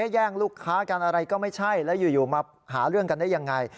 แย่งลูกค้ากันอะไรก็ไม่ใช่แล้วอยู่มาหาเรื่องกันได้ยังไง